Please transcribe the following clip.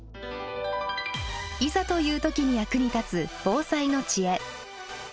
いざという時に役に立つ防災の知恵。